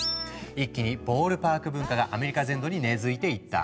一気にボールパーク文化がアメリカ全土に根づいていった。